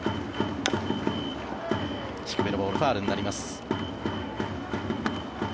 低めのボールファウルになります。